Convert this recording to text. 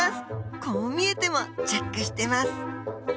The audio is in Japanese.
こう見えてもチェックしてます。